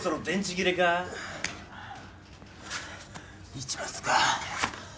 市松か。